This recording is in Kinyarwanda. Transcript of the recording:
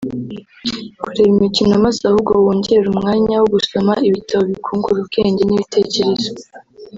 kureba imikino maze ahubwo wongere umwanya wo gusoma ibitabo bikungura ubwenge n'ibitekerezo